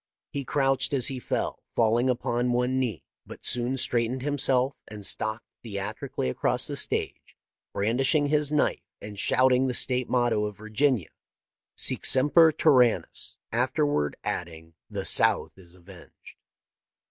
He crouched as he fell, falling iipon one knee, but soon straightened himself and stalked theatrically across the stage, brandishing his knife and shouting the State motto of Virginia, ' Sic semper tyrannis !' afterward adding, ' The South is avenged